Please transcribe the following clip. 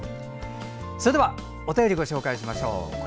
それではお便りをご紹介しましょう。